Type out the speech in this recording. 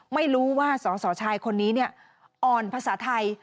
ไม่รู้ว่าสสชายคนนี้อ่อนภาษาไทย